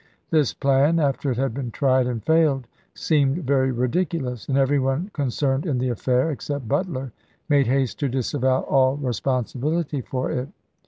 This plan, after it had been tried and failed, seemed very ridiculous, and every one concerned in the affair, except Butler, made haste to disavow all responsibility for it.